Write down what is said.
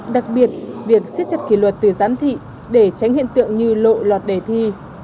đặc biệt việc siết chặt kỷ luật từ giám thị để tránh hiện tượng như lộ lọt đề thi